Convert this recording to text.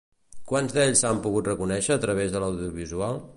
Quants d'ells s'han pogut reconèixer a través de l'audiovisual?